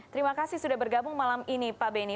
terima kasih sudah bergabung malam ini pak beni